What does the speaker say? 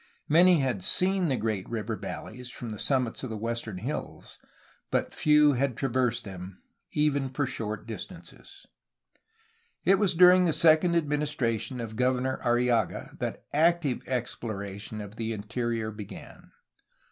Many had seen the great river valleys from the summits of the western hills, but few had traversed them, even for short distances. It was during the second administration of Governor Arrillaga that active exploration of the interior began.